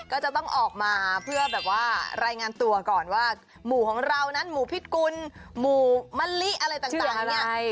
ก็จะต้องออกมาเพื่อแบบว่ารายงานตัวก่อนว่าหมู่ของเรานั้นหมูพิกุลหมู่มะลิอะไรต่างเนี่ย